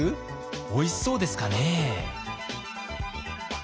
おいしそうですかね？